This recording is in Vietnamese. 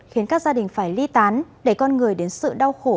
khiến các gia đình phải ly tán đẩy con người đến sự đau khổ